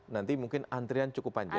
nanti mungkin antrian cukup panjang